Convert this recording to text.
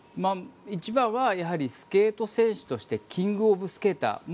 一番はやはりスケート選手としてキング・オブ・スケーター